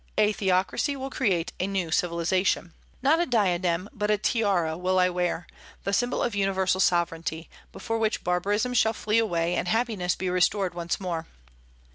A theocracy will create a new civilization. Not a diadem, but a tiara will I wear, the symbol of universal sovereignty, before which barbarism shall flee away, and happiness be restored once more."